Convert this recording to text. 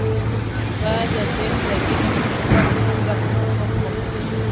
Baadhi ya sehemu za Kenya zimekuwa chini ya amri ya kutotoka nje na kutembea usiku